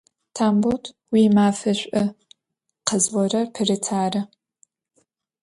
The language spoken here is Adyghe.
Tambot, vuimafe ş'u, khezı'orer Perıt arı!